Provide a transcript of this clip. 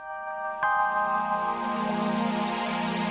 hoho tempat lunak